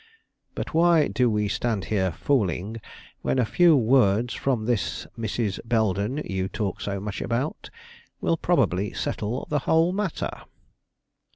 But why do we stand here fooling, when a few words from this Mrs. Belden, you talk so much about, will probably settle the whole matter!"